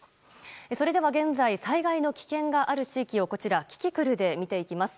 それでは現在災害の危険がある地域をキキクルで見ていきます。